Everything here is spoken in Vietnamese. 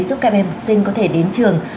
giúp các em học sinh có thể đến trường